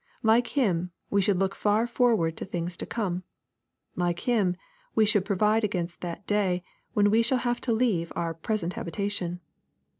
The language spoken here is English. Like him, we should look far forward to things to come. Like him, we should pro vide against the day when we shall have to leave our pre sent habitation.